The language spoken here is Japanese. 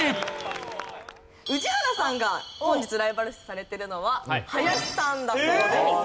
宇治原さんが本日ライバル視されているのは林さんだそうです。